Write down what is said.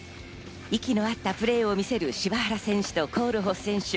息の合ったプレーを見せる柴原選手とコールホフ選手。